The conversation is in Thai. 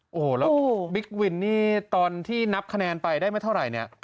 โอ้โหแล้วบิ๊กวินนี่ตอนที่นับคะแนนไปได้ไม่เท่าไหร่เนี่ย